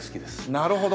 なるほど。